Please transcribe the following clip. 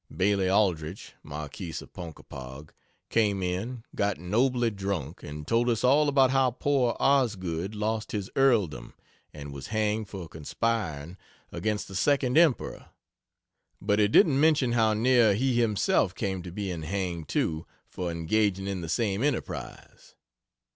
Bailey Aldrich, Marquis of Ponkapog, came in, got nobly drunk, and told us all about how poor Osgood lost his earldom and was hanged for conspiring against the second Emperor but he didn't mention how near he himself came to being hanged, too, for engaging in the same enterprise.